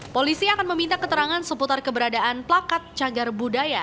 polisi akan meminta keterangan seputar keberadaan pelakat jagar budaya